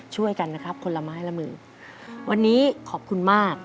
ช่วยกันนะครับคนละไม้ละมือวันนี้ขอบคุณมาก